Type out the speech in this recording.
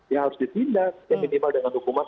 ya harus ditindas ya minimal dengan hukuman